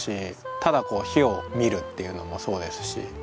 ただこう火を見るっていうのもそうですし。